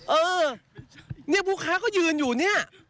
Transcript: เออเนี่ยผู้ค้าก็ยืนอยู่เนี่ย